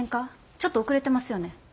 ちょっと遅れてますよね。